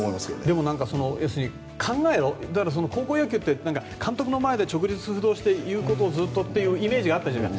でも考えを、高校野球って監督の前で直立不動して言うことをずっとというイメージがあったじゃない。